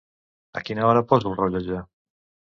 A quina hora poso el rellotge